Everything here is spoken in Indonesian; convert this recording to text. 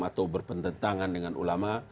atau berpendentangan dengan ulama